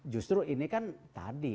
justru ini kan tadi